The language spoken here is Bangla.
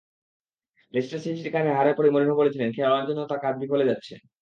লেস্টার সিটির কাছে হারের পরই মরিনহো বলেছিলেন, খেলোয়াড়দের জন্য তাঁর কাজ বিফলে যাচ্ছে।